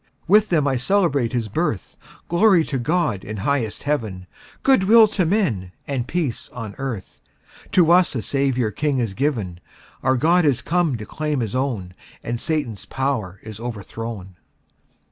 With them I celebrate His birth Glory to God, in highest Heaven, Good will to men, and peace on earth, To us a Saviour king is given; Our God is come to claim His own, And Satan's power is overthrown!